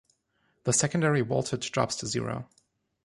The secondary voltage drops to zero.